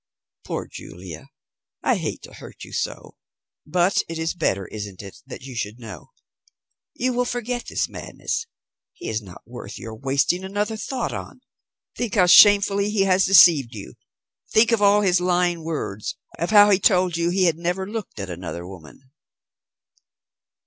Poor Julia, I hate to hurt you so, but it is better, isn't it, that you should know? You will forget this madness. He is not worth your wasting another thought on. Think how shamefully he has deceived you. Think of all his lying words, of how he told you he had never looked at another woman."